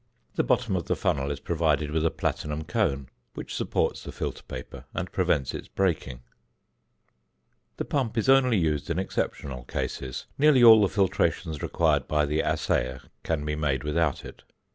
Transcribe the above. The bottom of the funnel is provided with a platinum cone, which supports the filter paper, and prevents its breaking. The pump is only used in exceptional cases; nearly all the filtrations required by the assayer can be made without it.